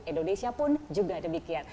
indonesia pun juga demikian